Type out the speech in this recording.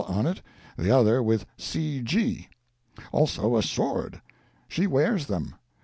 on it, the other with C. G. Also, a sword. She wears them.